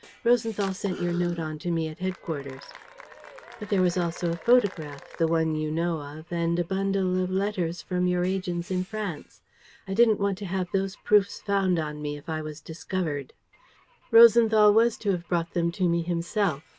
"Rosenthal sent your note on to me at headquarters." "But there was also a photograph, the one you know of, and a bundle of letters from your agents in France. I didn't want to have those proofs found on me if I was discovered." "Rosenthal was to have brought them to me himself.